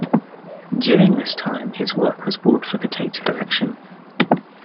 During this time his work was bought for the Tate collection.